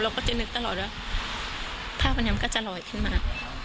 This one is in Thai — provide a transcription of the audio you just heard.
ก็จะนึกตลอดว่าภาพวันนี้มันก็จะลอยขึ้นมา